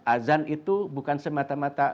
azan itu bukan semata mata